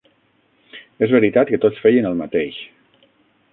És veritat que tots feien el mateix